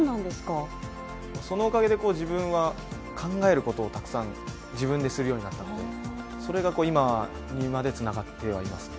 そのおかげで自分は考えることをたくさん自分でするようになったので、それが今にまでつながってはいますね。